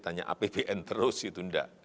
tanya apbn terus itu enggak